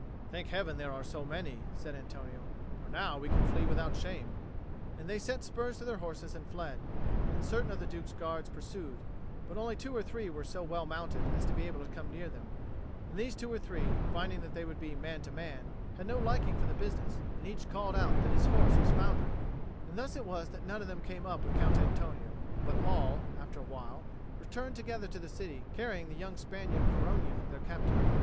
"Thank Heaven there are so many," said Antonio, "for now we can flee without shame;" and they set spurs to their horses and fled. And certain of the Duke's Guard pursued, but only two or three were so well mounted as to be able to come near them; and these two or three, finding that they would be man to man, had no liking for the business, and each called out that his horse was foundered; and thus it was that none of them came up with Count Antonio, but all, after a while, returned together to the city, carrying the young Spaniard Corogna, their captain.